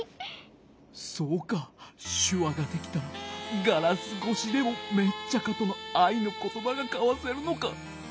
そうかしゅわができたらガラスごしでもメッチャカとのあいのことばがかわせるのか。